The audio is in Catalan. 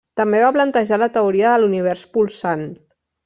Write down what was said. També va plantejar la Teoria de l'Univers Polsant.